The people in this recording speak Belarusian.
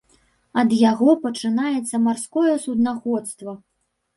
Ад яго пачынаецца марское суднаходства.